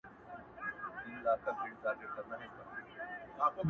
یوه نره غېږه ورکړه پر تندي باندي یې ښګل کړه-